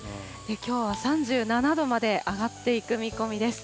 きょうは３７度まで上がっていく見込みです。